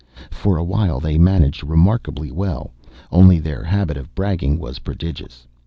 For a while they managed remarkably well; only their habit of bragging was prodigious.